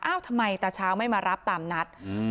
อ้าวทำไมตาเช้าไม่มารับตามนัดอืม